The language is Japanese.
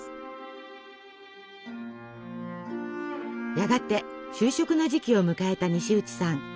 やがて就職の時期を迎えた西内さん。